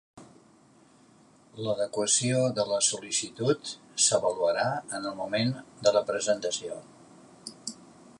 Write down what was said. L'adequació de la sol·licitud s'avaluarà en el moment de la presentació.